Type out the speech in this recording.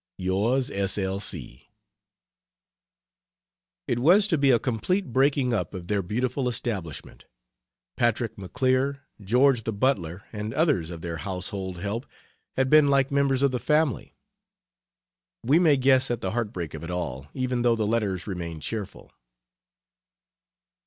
Yours S. L. C. It was to be a complete breaking up of their beautiful establishment. Patrick McAleer, George the butler, and others of their household help had been like members of the family. We may guess at the heartbreak of it all, even though the letters remain cheerful.